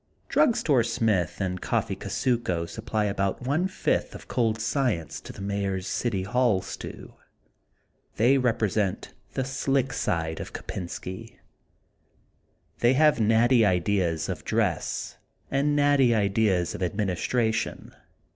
Drug Store Smith and Coffee Kusuko sup ply about one fifth of cold science to the Mayor ^s City Hall stew. They represent the *' slick '* side of Kopensky. They have natty ideas of dress and natty ideas of administra tion.